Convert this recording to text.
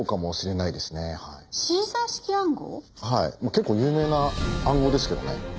結構有名な暗号ですけどね。